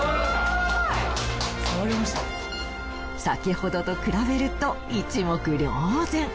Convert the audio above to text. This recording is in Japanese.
先ほどと比べると一目瞭然。